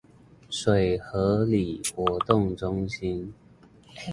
水河里活動中心